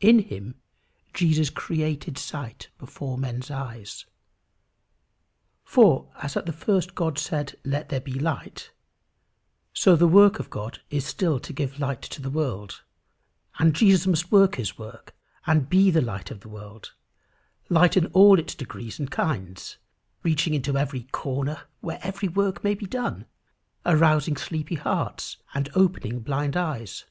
In him Jesus created sight before men's eyes. For, as at the first God said, "Let there be light," so the work of God is still to give light to the world, and Jesus must work his work, and be the light of the world light in all its degrees and kinds, reaching into every corner where work may be done, arousing sleepy hearts, and opening blind eyes.